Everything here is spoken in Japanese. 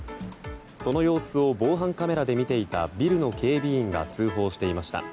その様子を防犯カメラで見ていたビルの警備員が通報していました。